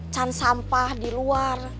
can sampah di luar